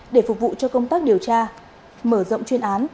để phục vụ cho công tác điều tra mở rộng chuyên án